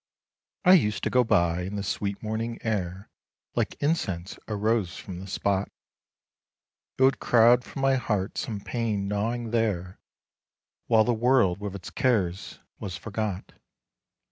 I used to go by, and the sweet morning air, Like incense, arose from the spot, It would crowd from my heart some pain gnawing there, While the world with its cares was forgot.